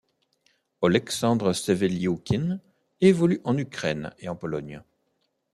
Oleksandr Shevelyukhin évolue en Ukraine et en Pologne.